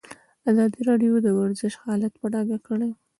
ازادي راډیو د ورزش حالت په ډاګه کړی.